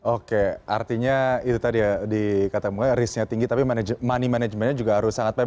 oke artinya itu tadi ya dikatakan risknya tinggi tapi money managementnya juga harus sangat baik